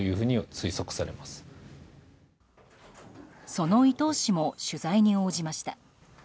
その伊藤氏も取材に応じました。